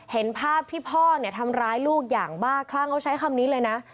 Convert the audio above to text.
เห็นภาพที่พ่อเนี่ยทำร้ายลูกอย่างบ้าคลั่งเขาใช้คำนี้เลยนะ